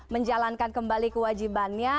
menjalankan kembali kewajibannya